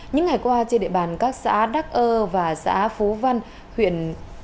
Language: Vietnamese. những ngày qua trên địa bàn các xã đắc ơ và xã phú văn huyện